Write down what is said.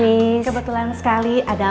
pagi miss kebetulan sekali ada